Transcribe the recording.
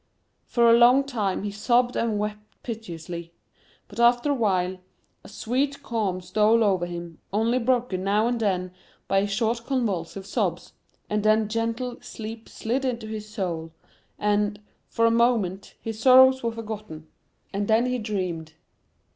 For a long time he sobbed and wept piteously,—but after a while a sweet calm stole over him, only broken now and then by short convulsive sobs, and then gentle "sleep slid into his soul," and, for a moment, his sorrows were forgotten. And then he dreamed.